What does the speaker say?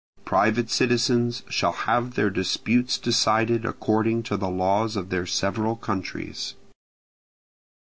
Private citizens shall have their disputes decided according to the laws of their several countries.